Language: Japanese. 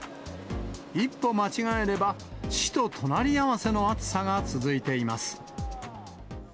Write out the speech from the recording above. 一歩間違えれば、死と隣り合わせの暑さが続いています。